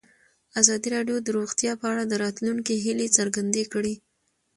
ازادي راډیو د روغتیا په اړه د راتلونکي هیلې څرګندې کړې.